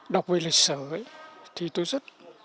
đọc về lịch sử ấy